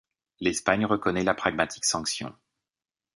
L’Espagne reconnaît la Pragmatique Sanction.